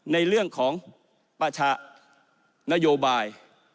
ในเรื่องของประชานโยบาย